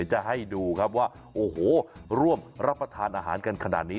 จะให้ดูครับว่าโอ้โหร่วมรับประทานอาหารกันขนาดนี้